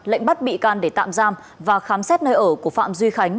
lệnh bắt bị can để tạm giam và khám xét nơi ở của phạm duy khánh